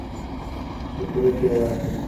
سوکړک یې واخیست.